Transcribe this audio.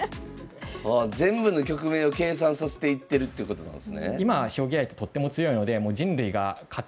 ああ全部の局面を計算させていってるっていうことなんですね。